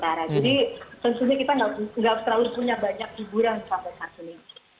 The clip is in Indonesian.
jadi tentunya kita nggak selalu punya banyak hiburan sampai saat ini